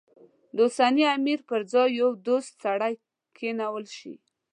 د اوسني امیر پر ځای یو دوست سړی کېنول شي.